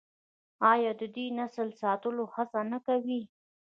آیا دوی د دې نسل د ساتلو هڅه نه کوي؟